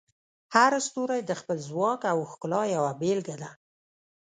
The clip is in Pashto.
هر ستوری د خپل ځواک او ښکلا یوه بیلګه ده.